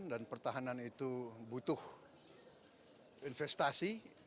dan pertahanan itu butuh investasi